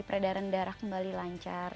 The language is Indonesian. peredaran darah kembali lancar